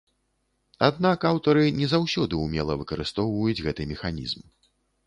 Аднак аўтары не заўсёды ўмела выкарыстоўваюць гэты механізм.